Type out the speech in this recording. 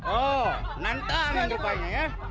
oh nantang yang terbaiknya ya